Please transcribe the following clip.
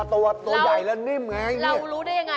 ตัวใหญ่แล้วนิ่มไงเนี่ย